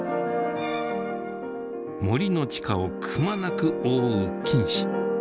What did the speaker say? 森の地下をくまなく覆う菌糸。